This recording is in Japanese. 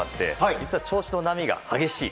実は調子の波が激しい。